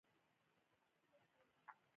دوی په افغانستان کې بندونه جوړ کړل.